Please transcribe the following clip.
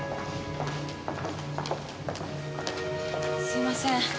すいません。